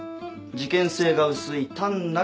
事件性が薄い単なる事故死。